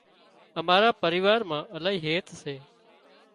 امارا پريوار مان الاهي هيت سي